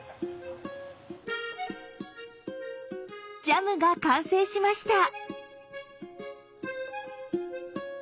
ジャムが完成しました。